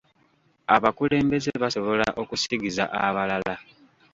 Abakulembeze basobola okusigiza abalala